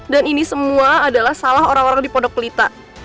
dan ini semua adalah salah orang orang dipondok pelita